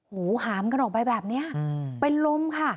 หามกันออกไปแบบนี้เป็นลมค่ะ